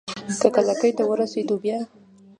که کلکې ته ورسېدو بيا؟